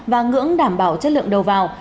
và ngưỡng đảm bảo chất lượng đầu vào